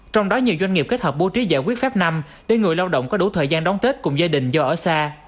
trong đó nhiều doanh nghiệp kết hợp bố trí giải quyết phép năm để người lao động có đủ thời gian đóng tết cùng gia đình do ở xa